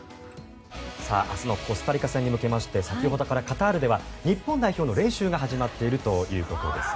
明日のコスタリカ戦に向けまして先ほどからカタールでは日本代表の練習が始まっているということです。